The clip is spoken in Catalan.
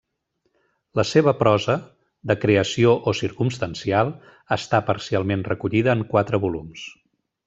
La seva prosa, de creació o circumstancial, està parcialment recollida en quatre volums.